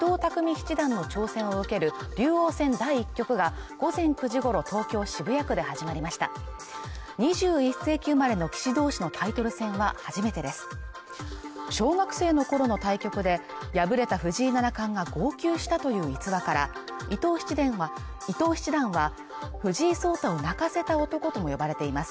七段の挑戦を受ける竜王戦第１局が午前９時ごろ東京・渋谷区で始まりました２１世紀生まれの棋士同士のタイトル戦は初めてです小学生の頃の対局で敗れた藤井七冠が号泣したという逸話から伊藤七段は藤井聡太を泣かせた男とも呼ばれています